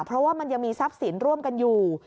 เพราะว่ามันยังมีทรัพย์สินร่วมกันอยู่